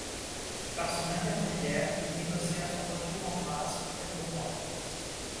Par son intermédiaire il négocia son retour en grâce auprès du roi.